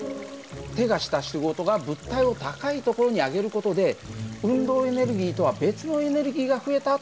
手がした仕事が物体を高い所に上げる事で運動エネルギーとは別のエネルギーが増えたというふうに考える事ができる。